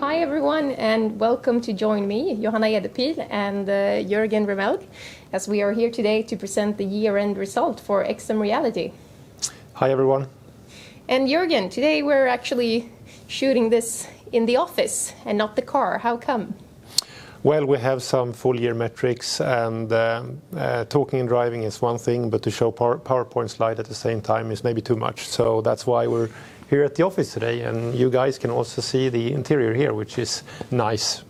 Hi, everyone, and welcome to join me, Johanna Edepil and Jörgen Remmelg. We are here today to present the year-end result for XMReality. Hi, everyone. Jörgen, today we're actually shooting this in the office and not the car. How come? Well, we have some full-year metrics, and talking and driving is one thing, but to show PowerPoint slide at the same time is maybe too much. That's why we're here at the office today, and you guys can also see the interior here, which is nice.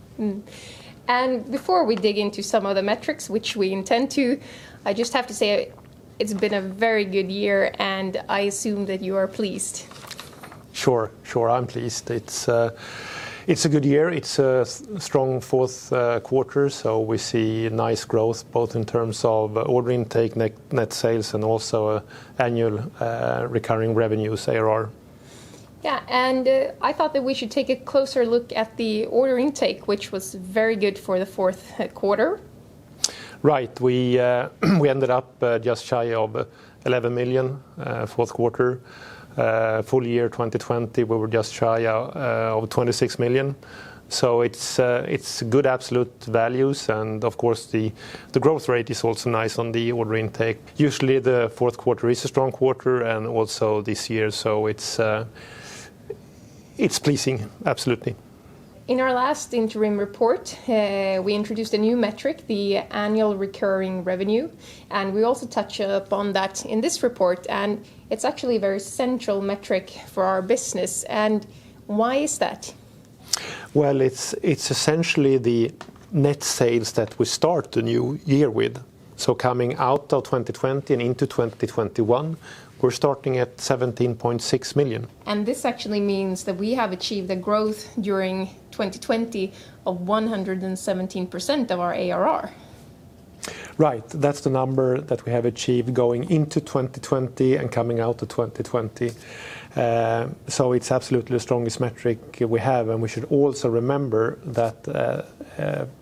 Before we dig into some of the metrics, which we intend to, I just have to say it's been a very good year, and I assume that you are pleased. Sure. I'm pleased. It's a good year. It's a strong fourth quarter. We see nice growth both in terms of order intake, net sales, and also annual recurring revenues, ARR. I thought that we should take a closer look at the order intake, which was very good for the fourth quarter. Right. We ended up just shy of 11 million, fourth quarter. Full year 2020, we were just shy of 26 million. It's good absolute values, and of course, the growth rate is also nice on the order intake. Usually, the fourth quarter is a strong quarter, and also this year, it's pleasing absolutely. In our last interim report, we introduced a new metric, the annual recurring revenue. We also touch upon that in this report. It's actually a very central metric for our business. Why is that? Well, it's essentially the net sales that we start the new year with. Coming out of 2020 and into 2021, we're starting at 17.6 million. This actually means that we have achieved the growth during 2020 of 117% of our ARR. Right. That's the number that we have achieved going into 2020 and coming out of 2020. It's absolutely the strongest metric we have, and we should also remember that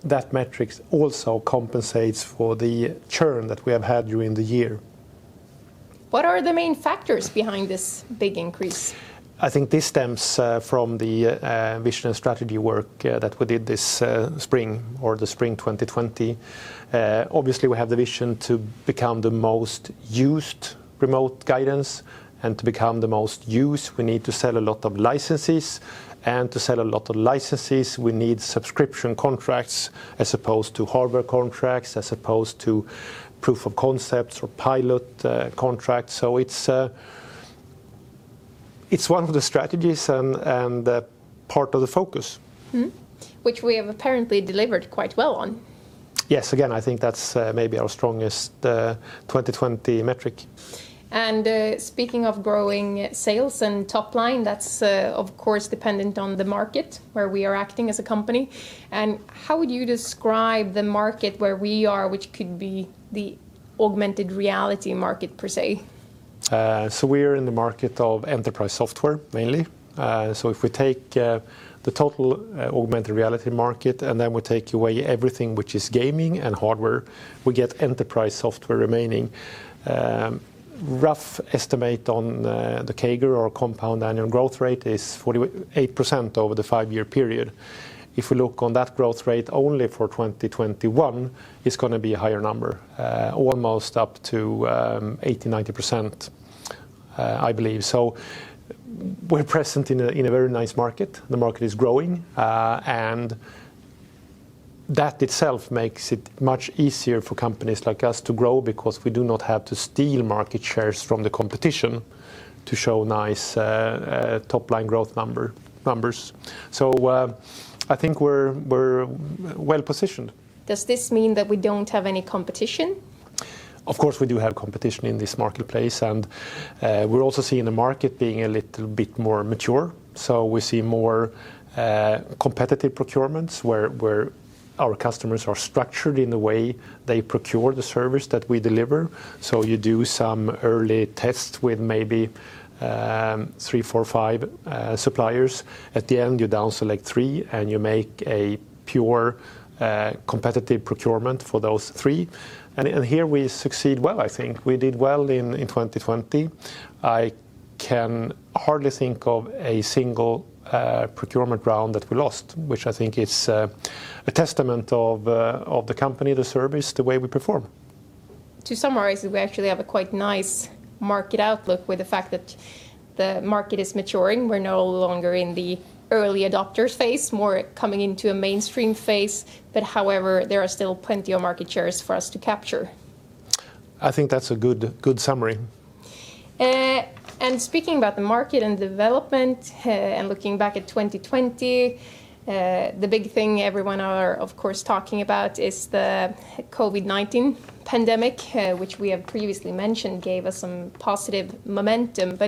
that metric also compensates for the churn that we have had during the year. What are the main factors behind this big increase? I think this stems from the vision and strategy work that we did this spring or the spring 2020. Obviously, we have the vision to become the most used remote guidance. To become the most used, we need to sell a lot of licenses, and to sell a lot of licenses, we need subscription contracts as opposed to hardware contracts, as opposed to proof of concepts or pilot contracts. It's one of the strategies and part of the focus. Which we have apparently delivered quite well on. Yes. Again, I think that's maybe our strongest 2020 metric. Speaking of growing sales and top-line, that's of course dependent on the market where we are acting as a company. How would you describe the market where we are, which could be the augmented reality market, per se? We're in the market of enterprise software mainly. If we take the total augmented reality market, and then we take away everything which is gaming and hardware, we get enterprise software remaining. Rough estimate on the CAGR or compound annual growth rate is 48% over the five-year period. If we look on that growth rate only for 2021, it's going to be a higher number, almost up to 80%, 90%, I believe. We're present in a very nice market. The market is growing. That itself makes it much easier for companies like us to grow because we do not have to steal market shares from the competition to show nice top-line growth numbers. I think we're well-positioned. Does this mean that we don't have any competition? Of course, we do have competition in this marketplace, and we're also seeing the market being a little bit more mature. We see more competitive procurements where our customers are structured in the way they procure the service that we deliver. You do some early tests with maybe three, four, five suppliers. At the end, you down select three, and you make a pure competitive procurement for those three. Here we succeed well, I think. We did well in 2020. I can hardly think of a single procurement round that we lost, which I think is a testament of the company, the service, the way we perform. To summarize, we actually have a quite nice market outlook with the fact that the market is maturing. We're no longer in the early adopter phase, more coming into a mainstream phase. However, there are still plenty of market shares for us to capture. I think that's a good summary. Speaking about the market and development and looking back at 2020, the big thing everyone are of course talking about is the COVID-19 pandemic, which we have previously mentioned gave us some positive momentum.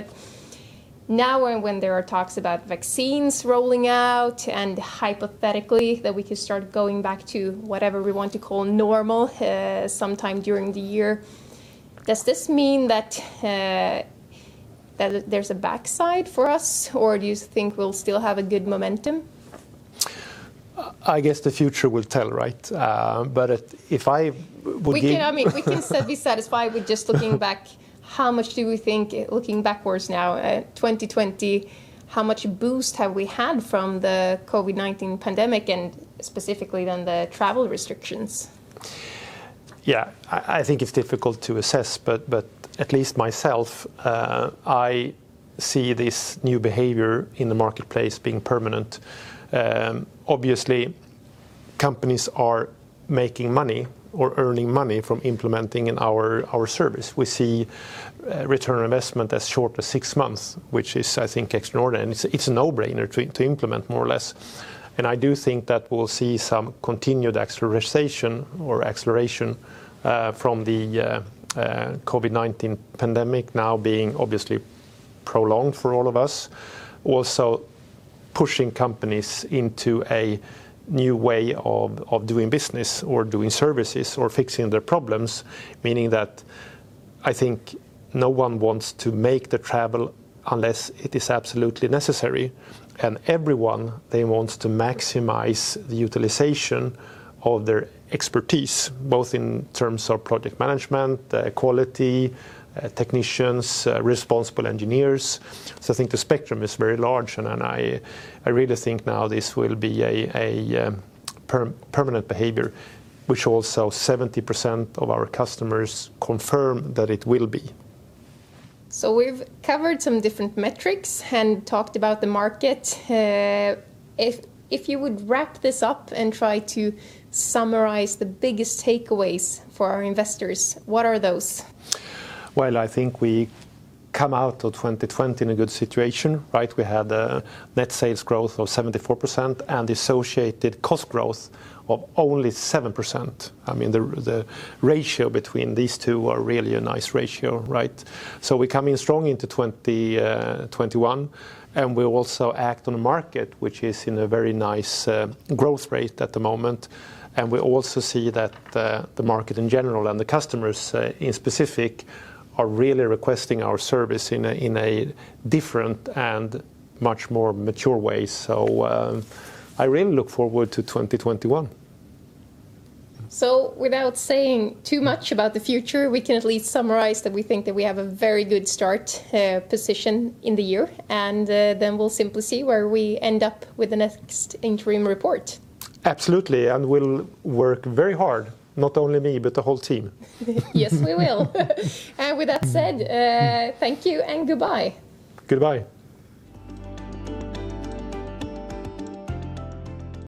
Now when there are talks about vaccines rolling out and hypothetically that we could start going back to whatever we want to call normal sometime during the year, does this mean that there's a backside for us, or do you think we'll still have a good momentum? I guess the future will tell, right? We can be satisfied with just looking backwards now at 2020, how much boost have we had from the COVID-19 pandemic, and specifically then the travel restrictions? I think it's difficult to assess, but at least myself, I see this new behavior in the marketplace being permanent. Obviously, companies are making money or earning money from implementing our service. We see return on investment as short as six months, which is, I think, extraordinary, and it's a no-brainer to implement more or less. I do think that we'll see some continued acceleration from the COVID-19 pandemic now being obviously prolonged for all of us, also pushing companies into a new way of doing business, or doing services, or fixing their problems, meaning that I think no one wants to make the travel unless it is absolutely necessary. Everyone, they want to maximize the utilization of their expertise, both in terms of project management, quality, technicians, responsible engineers. I think the spectrum is very large, and I really think now this will be a permanent behavior, which also 70% of our customers confirm that it will be. We've covered some different metrics and talked about the market. If you would wrap this up and try to summarize the biggest takeaways for our investors, what are those? Well, I think we come out of 2020 in a good situation. We had a net sales growth of 74% and associated cost growth of only 7%. I mean, the ratio between these two are really a nice ratio. We come in strong into 2021, and we also act on a market which is in a very nice growth rate at the moment. We also see that the market in general and the customers in specific are really requesting our service in a different and much more mature way. I really look forward to 2021. Without saying too much about the future, we can at least summarize that we think that we have a very good start position in the year, and then we'll simply see where we end up with the next interim report. Absolutely, we'll work very hard. Not only me, but the whole team. Yes, we will. With that said, thank you and goodbye. Goodbye.